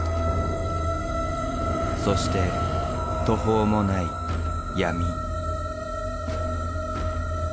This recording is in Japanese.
そして途方もない闇。